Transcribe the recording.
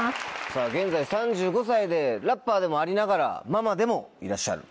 さぁ現在３５歳でラッパーでもありながらママでもいらっしゃる？